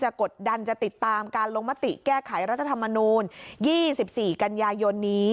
กดดันจะติดตามการลงมติแก้ไขรัฐธรรมนูล๒๔กันยายนนี้